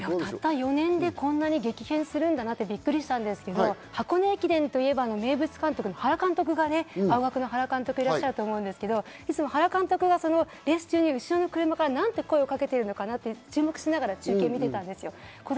たった４年でこんなに激変するんだってびっくりしましたが、箱根駅伝といえば、青学の原監督いらっしゃるんですが、いつも原監督がレース中に後ろから何て声かけてるのかなって注目しながら、見てたんです。